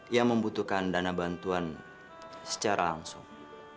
yang membutuhkan dana bantuan secara langsung